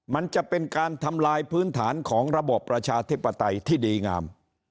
มันจะเป็นการทำลายพื้นฐานของระบบประชาธิปไตยที่ดีงาม